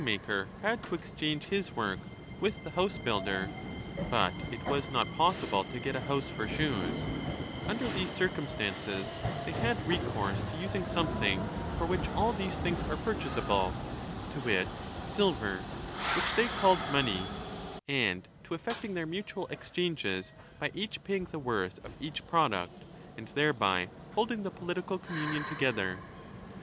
33 1194" maker had to exchange * his work with the housebuilder, 20 but it was not possible to get a house for shoes ; under these circumstances they had recourse to using something for which all these things are purchasable, to wit silver, which they called money, and to effecting their mutual exchanges by each paying the worth of each product, and thereby holding the political communion together.